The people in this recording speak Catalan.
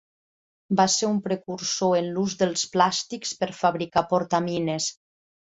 Va ser un precursor en l'ús dels plàstics per fabricar portamines.